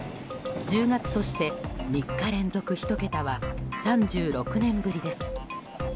１０月として３日連続１桁は３６年ぶりです。